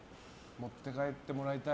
持って帰ってもらいたい。